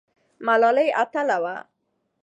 ملالۍ اتله وه؟